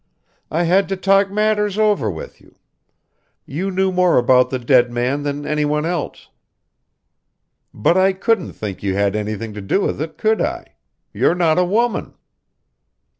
I had to talk matters over with you. You knew more about the dead man than any one else; but I couldn't think you had anything to do with it, could I? You're not a woman!"